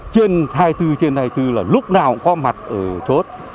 trên hai mươi bốn trên hai mươi bốn là lúc nào cũng có mặt ở chốt